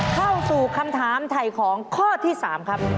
เข้าสู่คำถามถ่ายของข้อที่๓ครับ